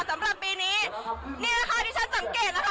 สำหรับปีนี้นี่นะคะที่ฉันสังเกตนะคะ